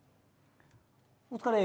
お疲れ。